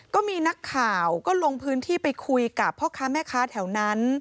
ก็มีนักข่าวก็ลงพื้นที่ไปคุยกับพ่อค้าแม่ค้าแถวนั้น